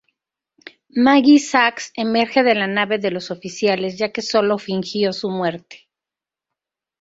McGee-zax emerge de la nave de los oficiales, ya que sólo fingió su muerte.